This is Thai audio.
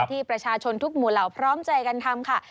ที่ประชาชนทุกหมู่เหล่าพร้อมใจกันทำค่ะ